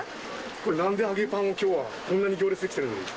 これ、なんで揚げパン、きょうは。こんなに行列出来てるのに。